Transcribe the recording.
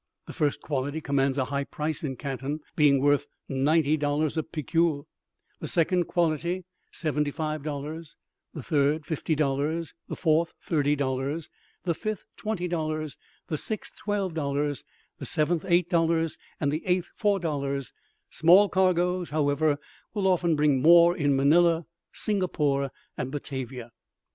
The first quality commands a high price in Canton, being worth ninety dollars a picul; the second quality, seventy five dollars; the third, fifty dollars; the fourth, thirty dollars; the fifth, twenty dollars; the sixth, twelve dollars; the seventh, eight dollars; and the eighth, four dollars; small cargoes, however, will often bring more in Manilla, Singapore, and Batavia."